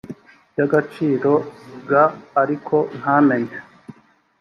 bya agaciro g ariko ntamenye